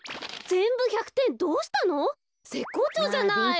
ぜっこうちょうじゃない。